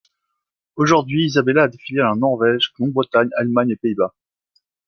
Aujourd’hui, Isabella a des filiales en Norvège, Grande-Bretagne, Allemagne et Pays-Bas.